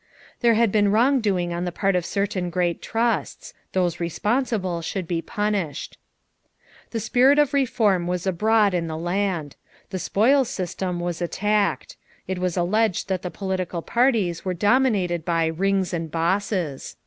There had been wrong doing on the part of certain great trusts; those responsible should be punished. The spirit of reform was abroad in the land. The spoils system was attacked. It was alleged that the political parties were dominated by "rings and bosses."